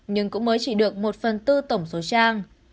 nhưng cũng mới chỉ được một phần tư tổng số trang